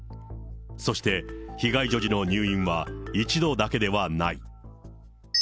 そして被害女児の入院は一度だけではない。